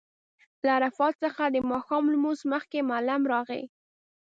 له عرفات څخه د ماښام لمونځ مخکې معلم راغی.